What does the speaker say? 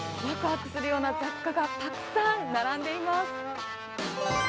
ワクワクするような雑貨がたくさん並んでいます。